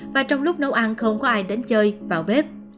và trong lúc nấu ăn không có ai đến chơi vào bếp